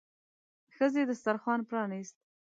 ښځې دسترخوان پرانيست.